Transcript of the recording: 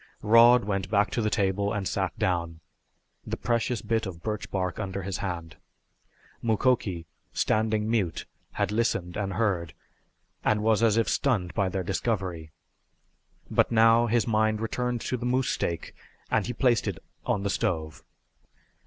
Rod went back to the table and sat down, the precious bit of birch bark under his hand. Mukoki, standing mute, had listened and heard, and was as if stunned by their discovery. But now his mind returned to the moose steak, and he placed it on the stove.